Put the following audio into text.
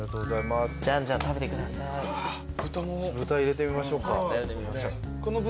・豚入れてみましょうか。